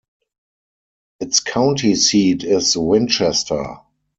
Its county seat is Winchester.